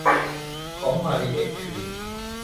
ของมาริเอะคือ